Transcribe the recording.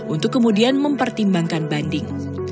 untuk kemudian mempertimbangkan banding